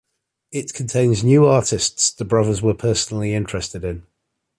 It contains new artists the brothers were personally interested in.